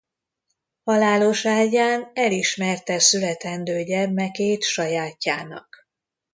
Halálos ágyán elismerte születendő gyermekét sajátjának.